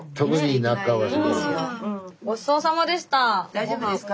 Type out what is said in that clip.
大丈夫ですか？